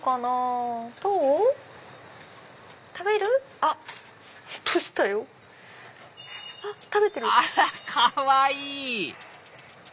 あらかわいい！